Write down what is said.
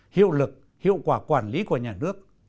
hiệu lực hiệu quả quản lý của nhà nước